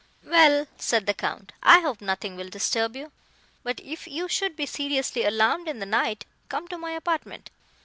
"Well," said the Count, "I hope nothing will disturb you; but if you should be seriously alarmed in the night, come to my apartment.